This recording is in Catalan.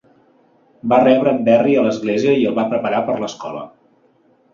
Va rebre en Berry a l"església i el va preparar per l"escola.